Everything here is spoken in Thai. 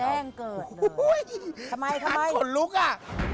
แจ้งเกิดเลยทำไมทำไมแจ้งคนลุกอ่ะ